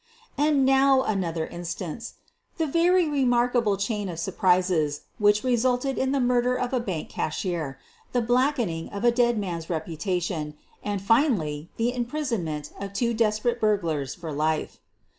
And now another instance — the very remarkable chain of surprises which resulted in the murder of a bank cashier, the blackening of a dead man's repu tation, and, finally, the imprisonment of two des perate burglars for life.